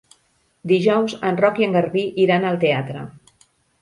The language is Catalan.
Dijous en Roc i en Garbí iran al teatre.